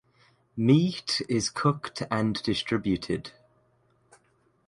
Meat is cooked and distributed.